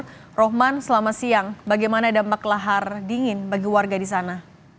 selamat rohman selama siang bagaimana dampak lahar dingin bagi warga di sana